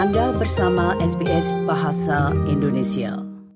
anda bersama sbs bahasa indonesia